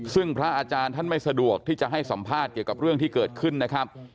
ซึ่งพระอาจารย์ท่านไม่สะดวกที่จะให้สัมภาษณ์เกี่ยวกับเรื่องที่เกิดขึ้นนะครับ